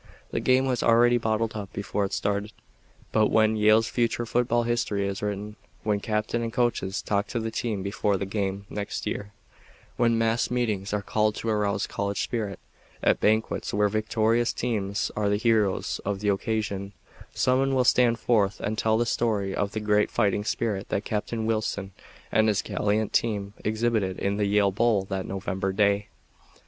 The game was already bottled up before it started; but when Yale's future football history is written, when captain and coaches talk to the team before the game next year, when mass meetings are called to arouse college spirit, at banquets where victorious teams are the heroes of the occasion, some one will stand forth and tell the story of the great fighting spirit that Captain Wilson and his gallant team exhibited in the Yale bowl that November day.